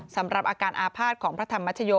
สำหรับอาการอาภาษณ์ของพระธรรมชโย